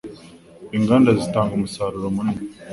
Inganda zitanga umusaruro munini